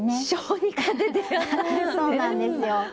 そうなんですよ。